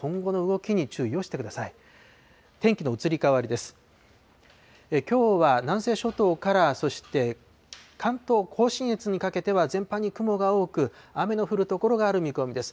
きょうは南西諸島から、そして関東甲信越にかけては、全般に雲が多く、雨の降る所がある見込みです。